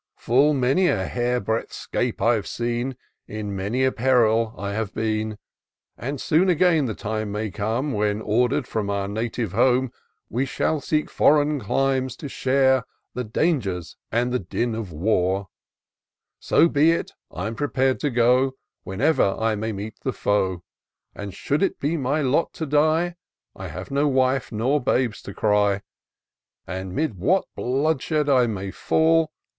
Full many a hair breadth 'scape I've seen; In many a peril I have been ; And soon again the time may come, When, order'd from our native home. IN SEARCH OF THE PICTURESQUE. 263 We shall seek foreign climes, to share Hie dangers and the din of war ; So be it ! I'm prepared to go, Wherever I may meet the foe ; And should it be my lot to die, I have no wife or babes to cry ; And 'mid what bloodshed I may fall.